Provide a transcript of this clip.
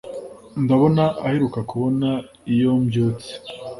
ndabona aheruka kubona iyo mbyutse